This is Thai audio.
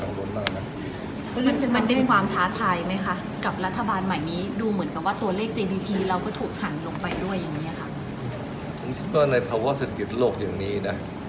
เราก็ถูกหันลงไปด้วยอย่างนี้ค่ะนี่ก็ในภาวิเศษกิจโลกอย่างนี้น่ะ